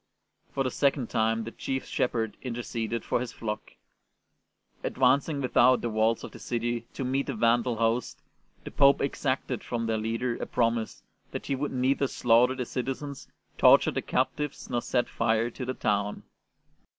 For the second time the Chief Shepherd interceded for his flock. Advancing without the walls of the city to meet the Vandal host, the Pope exacted from their leader a promise that he would neither slaughter the citizens, torture the captives, nor set fire to the town.